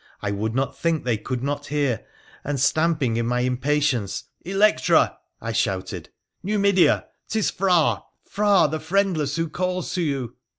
I would not think they could not hear, and stamping in my impatience, ' Electra !' I shouted, ' Numidea ! 'tis Phra — Phra the friendless who calls to you